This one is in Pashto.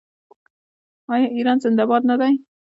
آیا ایران زنده باد نه دی؟